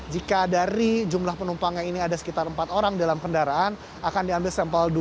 jika dari jumlah penumpangnya ini ada sekitar empat orang dalam kendaraan akan diambil sampel dua